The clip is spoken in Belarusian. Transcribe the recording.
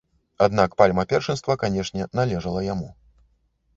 Аднак пальма першынства, канешне, належала яму.